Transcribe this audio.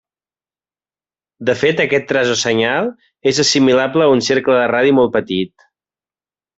De fet, aquest traç o senyal és assimilable a un cercle de radi molt petit.